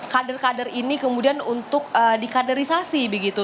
kader kader ini kemudian untuk dikaderisasi begitu